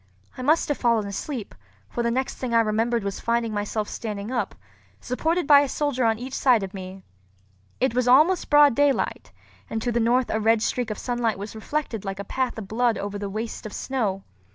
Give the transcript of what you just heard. I must have fallen asleep; for the next thing I remembered was finding myself standing up, supported by a soldier on each side of me. It was almost broad daylight, and to the north a red streak of sunlight was reflected like a path of blood over the waste of snow.